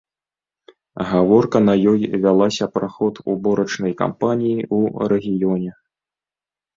Гаворка на ёй вялася пра ход уборачнай кампаніі ў рэгіёне.